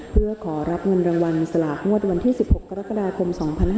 เพื่อขอรับเงินรางวัลสลากงวดวันที่๑๖กรกฎาคม๒๕๕๙